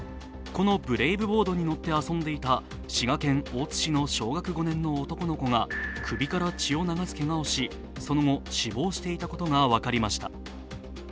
このブレイブボードに乗って遊んでいた滋賀県大津市の小学５年の男の子が首から血を流すけがをし、その後、死亡していたことが分かりました。